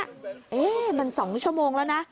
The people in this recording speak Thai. เอ๊ะมัน๒ชั่วโมงแล้วนะ